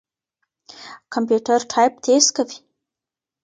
کمپيوټر ټايپ تېز کوي.